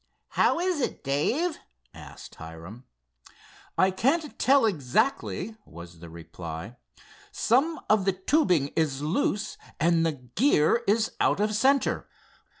"How is it, Dave?" asked Hiram. "I can't tell exactly," was the reply. "Some of the tubing is loose and the gear is out of center.